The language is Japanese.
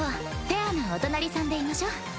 フェアなお隣さんでいましょ。